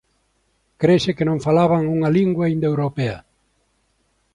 Crese que non falaban unha lingua indoeuropea.